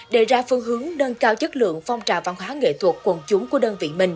đề ra phương hướng nâng cao chất lượng phong trào văn hóa nghệ thuật quần chúng của đơn vị mình